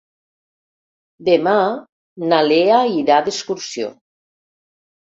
Demà na Lea irà d'excursió.